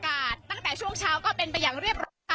ตั้งแต่ช่วงเช้าก็เป็นไปอย่างเรียบร้อยค่ะ